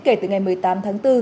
kể từ ngày một mươi tám tháng bốn